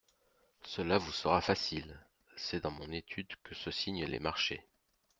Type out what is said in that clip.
Cela vous sera facile … c'est dans mon étude que se signent les marchés.